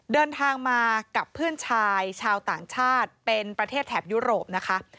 เดินทางมากับเพื่อนชายชาวต่างชาติเป็นประเทศแถบยุโรปนะคะ